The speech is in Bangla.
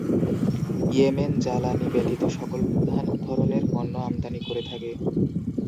ইয়েমেন জ্বালানী ব্যতীত সকল প্রধান ধরনের পণ্য আমদানি করে থাকে।